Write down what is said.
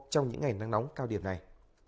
trong những ngày nắng nóng cao điểm này